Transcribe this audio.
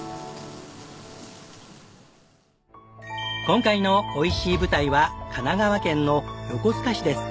今回のおいしい舞台は神奈川県の横須賀市です。